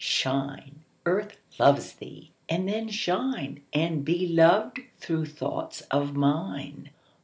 Shine, Earth loves thee! And then shine And be loved through thoughts of mine.